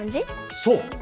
そう！